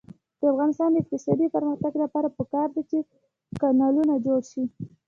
د افغانستان د اقتصادي پرمختګ لپاره پکار ده چې کانالونه جوړ شي.